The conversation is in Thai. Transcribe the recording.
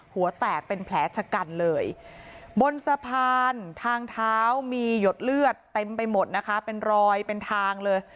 หัวแตกเป็นแผลชะกันเลยบนสะพานทางเท้ามีหยดเลือดเต็มไปหมดนะคะเป็นรอยเป็นทางเลย